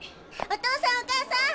お父さんお母さん。